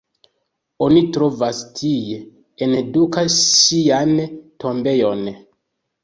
Oni trovas tie, en Duka ŝian tombejon.